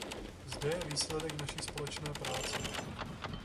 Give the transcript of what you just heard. Zde je výsledek naší společné práce.